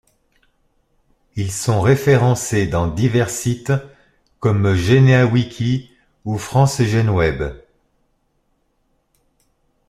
Ils sont référencés dans divers sites comme GeneaWiki ou FranceGenWeb.